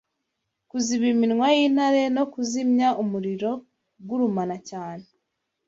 kuziba iminwa y’intare, no kuzimya umuriro ugurumana cyane,